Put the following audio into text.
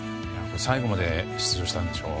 最後まで出場したんでしょう？